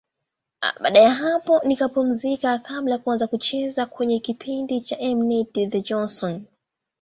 Baada ya hapo nikapumzika kabla ya kuanza kucheza kwenye kipindi cha M-net, The Johnsons.